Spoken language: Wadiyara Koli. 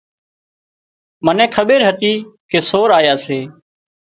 منين کٻير هتي ڪي سور آيا سي